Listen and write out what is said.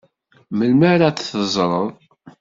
Melmi ara t-teẓred?